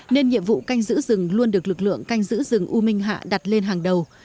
nên nhiệm vụ canh giữ rừng luôn được lực lượng canh giữ rừng u minh hạ đặt lên hàng đầu